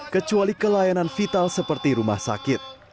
kecuali kelayanan vital seperti rumah sakit